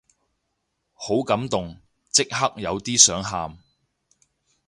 好感動，即刻有啲想喊